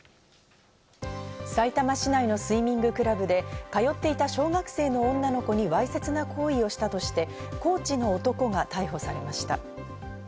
さいたま市内のスイミングクラブで、通っていた小学生の女の子にわいせつな行為をしたとして、コーチの男が逮捕されました。